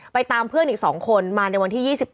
ตามเพื่อนอีก๒คนมาในวันที่๒๘